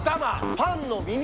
パンの耳。